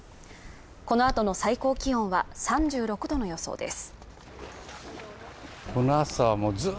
このあとの最高気温は３６度の予想です